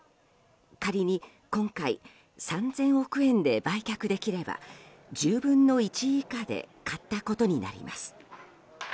仮に今回３０００億円で売却できれば、１０分の１以下で買えることになります。